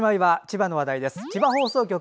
千葉放送局